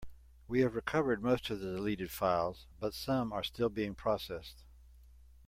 We have recovered most of the deleted files, but some are still being processed.